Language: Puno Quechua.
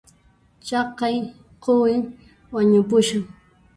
Chaqay quwin wañupushan